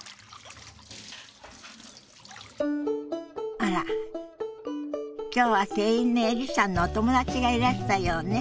あら今日は店員のエリさんのお友達がいらしたようね。